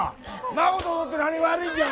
孫と踊って何が悪いんじゃ！